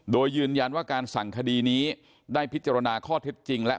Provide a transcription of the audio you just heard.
โดยยืนยันว่าการสั่งคดีนี้ได้พิจารณาข้อเท็จจริงและ